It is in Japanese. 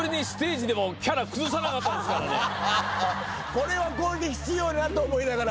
これはこれで必要やと思いながら。